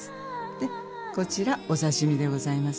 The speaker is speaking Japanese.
でこちらお刺身でございます。